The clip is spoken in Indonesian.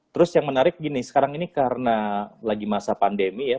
terus yang menarik gini sekarang ini karena lagi masa pandemi ya